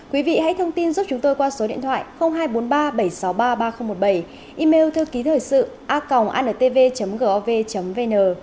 quý vị hãy thông tin giúp chúng tôi qua số điện thoại hai trăm bốn mươi ba bảy trăm sáu mươi ba ba nghìn một mươi bảy email thư ký thời sự a antv gov vn